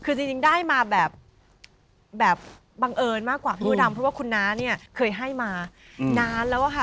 คือจริงได้มาแบบบังเอิญมากกว่าพี่มดดำเพราะว่าคุณน้าเนี่ยเคยให้มานานแล้วอะค่ะ